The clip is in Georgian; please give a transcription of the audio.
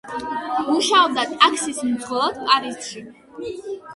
მუშაობდა ტაქსის მძღოლად პარიზში.